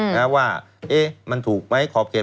แล้วว่ามันถูกไหมขอบเกต